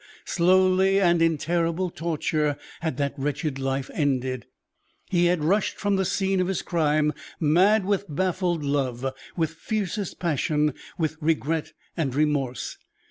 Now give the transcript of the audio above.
Slowly, and in terrible torture, had that wretched life ended. He had rushed from the scene of his crime, mad with baffled love, with fiercest passion, with regret and remorse.